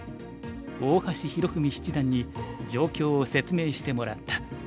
大橋拓文七段に状況を説明してもらった。